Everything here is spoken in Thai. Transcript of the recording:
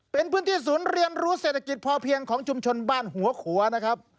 เป็นพื้นที่ศูนย์เรียนรู้เศรษฐกิจพอเพียงของชุมชนบ้านหัวขัวนะครับ